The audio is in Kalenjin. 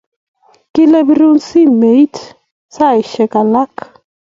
Kile pirun simet saishek alak